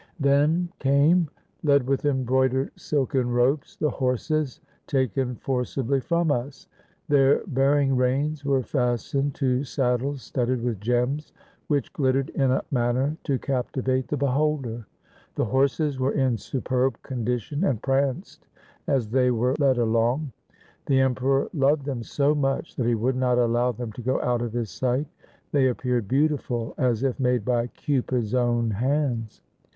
' Then came, led with embroidered silken ropes, the horses taken forcibly from us. Their bearing reins were fastened to saddles studded with gems, which glittered in a manner to captivate the beholder. The horses were in superb condition and pranced as they were led along. The Emperor loved them so much that he would not allow them to go out of his sight. They appeared beautiful, as if made by Cupid's own hands.